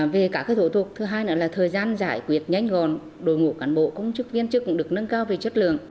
về cả cái thủ tục thứ hai là thời gian giải quyết nhanh gòn đối ngũ cán bộ công chức viên chức cũng được nâng cao về chất lượng